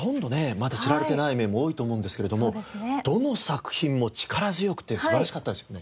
まだ知られてない面も多いと思うんですけれどもどの作品も力強くて素晴らしかったですよね。